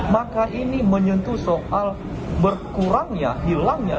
maka ini menyentuh soal berkurangnya hilangnya